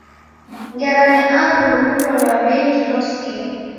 Ngera ni angu lukundo lwa w'engi losia